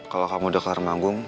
kalau kamu udah ke rumah agung